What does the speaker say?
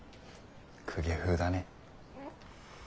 公家風だね。